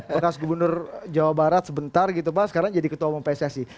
bekas gubernur jawa barat sebentar gitu pak sekarang jadi ketua umum pssi